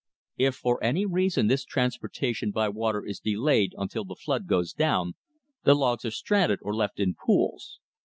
If for any reason this transportation by water is delayed until the flood goes down, the logs are stranded or left in pools.